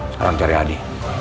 sekarang cari adi